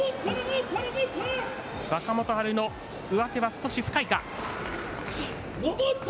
若元春の上手が少し深いか。